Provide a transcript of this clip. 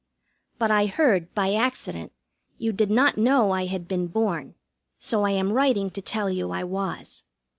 But I heard, by accident, you did not know I had been born, so I am writing to tell you I was.